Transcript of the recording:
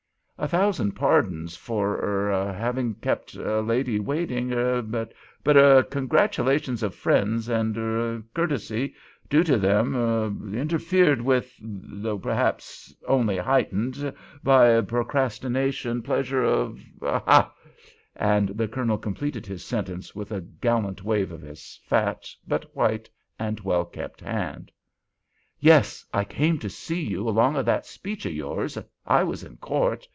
"A thousand pardons—for—er—having kept a lady waiting—er! But—er—congratulations of friends—and—er—courtesy due to them—er—interfered with—though perhaps only heightened—by procrastination—pleasure of—ha!" And the Colonel completed his sentence with a gallant wave of his fat but white and well kept hand. "Yes! I came to see you along o' that speech of yours. I was in court.